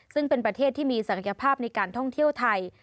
ซึ่งเป็นประเทศที่มีศักยภาพในการท่องเที่ยวไทย